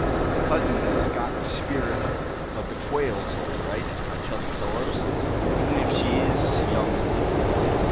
My cousin has got the spirit of the Quails all right, I tell you, fellows, even if she is young and little."